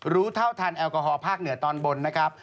รู้เท่าทันแอลกอฮอลภาคเหนือตอนบนนะครับ